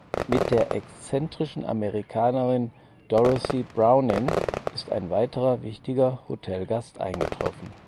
Mit der exzentrischen Amerikanerin Dorothy Browning ist ein weiterer wichtiger Hotelgast eingetroffen.